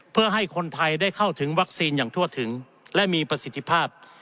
เพื่อให้คนไทยได้เข้าถึงวัคซีนอย่างทั่วถึงและมีประสิทธิภาพ